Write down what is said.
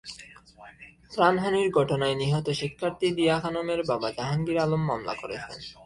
প্রাণহানির ঘটনায় নিহত শিক্ষার্থী দিয়া খানমের বাবা জাহাঙ্গীর আলম মামলা করেছেন।